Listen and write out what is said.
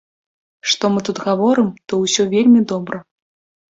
Што мы тут гаворым, то ўсё вельмі добра.